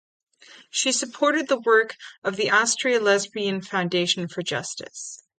She supported the work of the Astraea Lesbian Foundation for Justice.